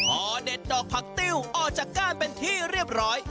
พอเด็ดดอกผักติ้วออกจากก้านเป็นที่เรียบร้อย